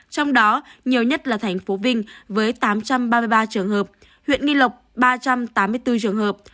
trong đó nhiều nhất là thành phố vinh với tám trăm ba mươi ba trường hợp huyện nghi lộc ba trăm tám mươi bốn trường hợp